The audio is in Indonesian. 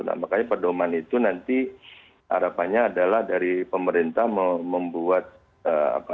nah makanya pedoman itu nanti harapannya adalah dari pemerintah membuat apa